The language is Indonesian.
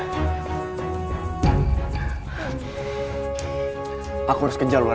tidak ada siluman